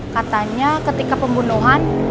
katanya ketika pembunuhan